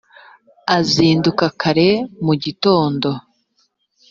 azinduka kare mu gitondo